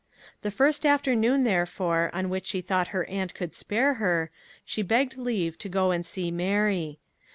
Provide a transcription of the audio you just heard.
The first afternoon, therefore, on which she thought her aunt could spare her, she begged leave to go and see Mary.